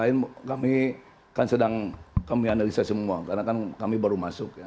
lain kami kan sedang kami analisa semua karena kan kami baru masuk ya